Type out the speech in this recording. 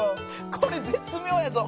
これ絶妙やぞ！